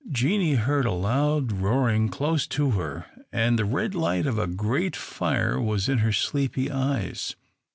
Jeanie heard a loud roaring close to her, and the red light of a great fire was in her sleepy eyes.